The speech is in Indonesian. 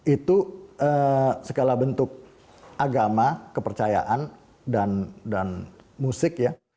itu segala bentuk agama kepercayaan dan musik ya